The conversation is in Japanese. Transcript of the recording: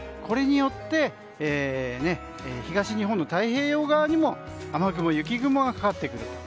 これによって東日本の太平洋側にも雨雲、雪雲がかかってくる。